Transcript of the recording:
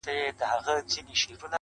که د سپینو اوبو جام وي ستا له لاسه-